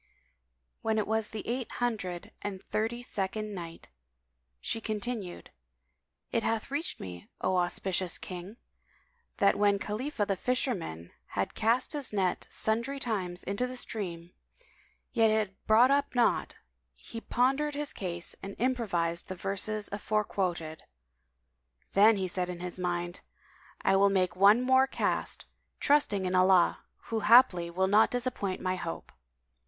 When it was the Eight Hundred and Thirty second Night, She continued, It hath reached me, O auspicious King, that when Khalifah the Fisherman had cast his net sundry times into the stream, yet had it brought up naught, he pondered his case and improvised the verses afore quoted. Then he said in his mind, "I will make this one more cast, trusting in Allah who haply will not disappoint my hope."